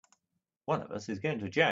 One of us is going to jail!